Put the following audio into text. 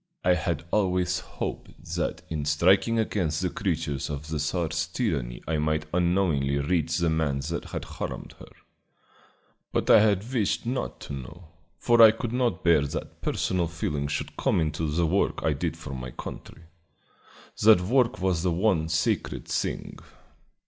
I had always hoped that in striking against the creatures of the Czar's tyranny I might unknowingly reach the man that had harmed her; but I had wished not to know, for I could not bear that personal feeling should come into the work I did for my country. That work was the one sacred thing.